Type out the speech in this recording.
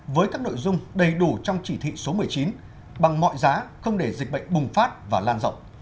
với các nội dung đầy đủ trong chỉ thị số một mươi chín bằng mọi giá không để dịch bệnh bùng phát và lan rộng